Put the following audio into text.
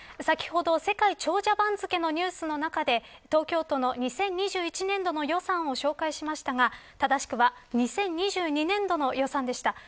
先ほど世界長者番付のニュースの中で東京都の２０２１年度の予算を紹介しましたが正しくは２０２２年度の予算でした。